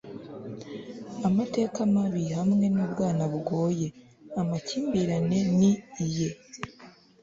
amateka mabi hamwe nubwana bugoye. amakimbirane ni iye